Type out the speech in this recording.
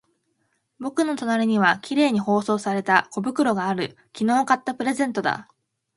僕の隣には綺麗に包装された小包がある。昨日買ったプレゼントだ。